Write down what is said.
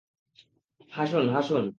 হাসুন, হাসুন।